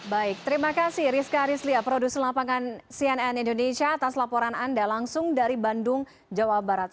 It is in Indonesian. baik terima kasih rizka arislia produser lapangan cnn indonesia atas laporan anda langsung dari bandung jawa barat